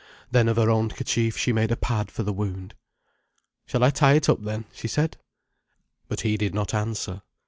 Then of her own kerchief she made a pad for the wound. "Shall I tie it up, then?" she said. But he did not answer.